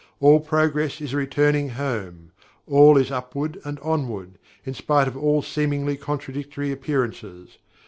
All progress is a Returning Home. All is Upward and Onward, in spite of all seemingly contradictory appearances.